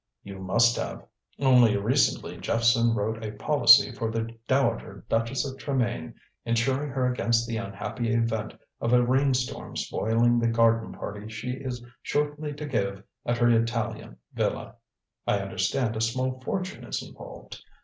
"You must have. Only recently Jephson wrote a policy for the Dowager Duchess of Tremayne, insuring her against the unhappy event of a rainstorm spoiling the garden party she is shortly to give at her Italian villa. I understand a small fortune is involved.